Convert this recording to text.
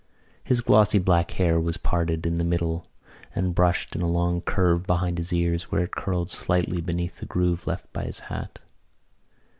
His glossy black hair was parted in the middle and brushed in a long curve behind his ears where it curled slightly beneath the groove left by his hat.